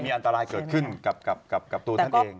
มีอันตรายเกิดขึ้นกับกับกับกับตัวท่านเอง